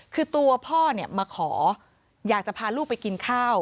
คือตัวพ่อเนี่ยมาขออยากจะพาลูกไปกินข้าว